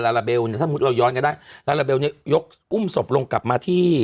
ลาลาเบลเนี่ยถ้ามุติเราย้อนกันได้ลาลาเบลเนี่ยยกอุ้มศพลงกลับมาที่